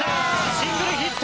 シングルヒット。